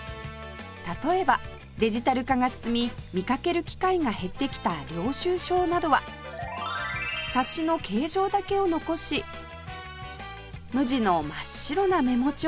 例えばデジタル化が進み見かける機会が減ってきた領収証などは冊子の形状だけを残し無地の真っ白なメモ帳に